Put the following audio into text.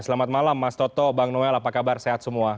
selamat malam mas toto bang noel apa kabar sehat semua